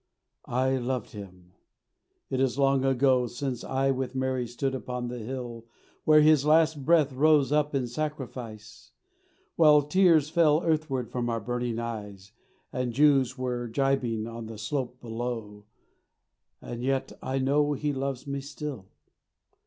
I loved Him. It is long ago Since I with Mary stood upon the hill Where His last breath rose up in Sacrifice, While tears fell earthward from our burning eyes, And Jews were gibing on the slope below. And yet I know He loves me still.